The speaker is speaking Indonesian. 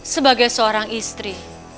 sebagai seorang istri